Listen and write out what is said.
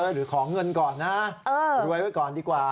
หรือขอเงินก่อนนะรวยไว้ก่อนดีกว่า